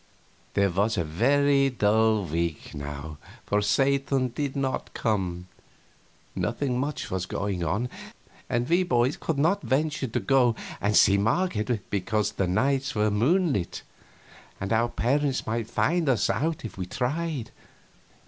There was a very dull week, now, for Satan did not come, nothing much was going on, and we boys could not venture to go and see Marget, because the nights were moonlit and our parents might find us out if we tried.